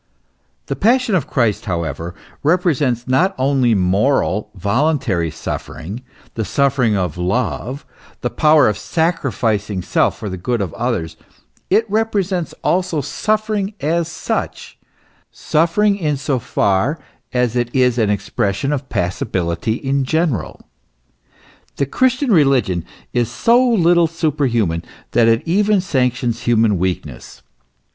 * The passion of Christ, however, represents not only moral, voluntary suffering, the suffering of love, the power of sacrificing self for the good of others ; it represents also suffering as such, suffering in so far as it is an expression of passibility in general. The Christian religion is so little superhuman, that it even sanctions human weakness.